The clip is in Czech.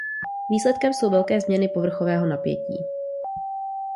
Výsledkem jsou velké změny povrchového napětí.